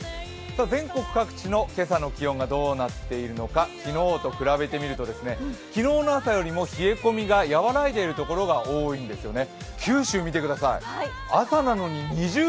全国各地の今朝の気温がどうなっているのか、昨日と比べてみると昨日の朝よりも冷え込みが和らいでいる所が多いんですね。